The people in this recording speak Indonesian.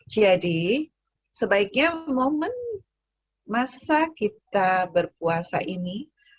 jadi sebaiknya momen masa kita berpuasa ini